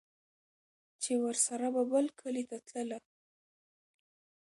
چې ورسره به بل کلي ته تلله